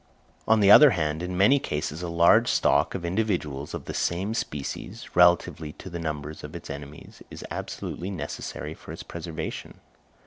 On the other hand, in many cases, a large stock of individuals of the same species, relatively to the numbers of its enemies, is absolutely necessary for its preservation.